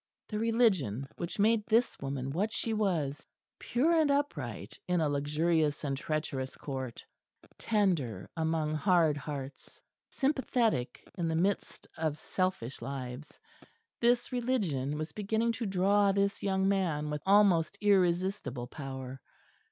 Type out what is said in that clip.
The religion which made this woman what she was, pure and upright in a luxurious and treacherous Court, tender among hard hearts, sympathetic in the midst of selfish lives this Religion was beginning to draw this young man with almost irresistible power.